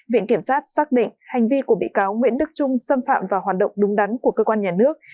viện kiểm sát xác định hành vi của bị cáo nguyễn đức trung xâm phạm vào hoạt động đúng đắn của cơ quan nhà nước